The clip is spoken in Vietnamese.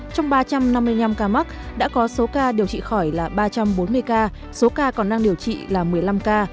trong ba trăm năm mươi năm ca mắc đã có số ca điều trị khỏi là ba trăm bốn mươi ca số ca còn đang điều trị là một mươi năm ca